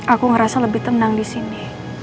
aku ngerasa lebih tenang di sini